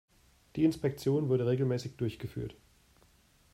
Die Inspektion wurde regelmäßig durchgeführt.